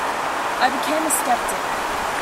I became a skeptic.